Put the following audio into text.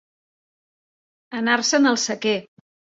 Anar-se'n al sequer.